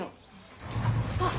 ・あっ！